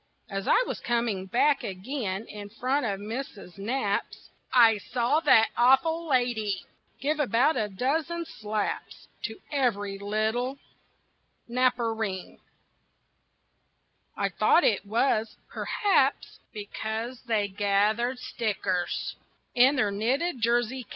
As I was coming back again In front of Missus Knapp's I saw that awful lady Give about a dozen slaps To every little Knapperine I thought it was, perhaps, Because they gathered stickers In their knitted jersey caps.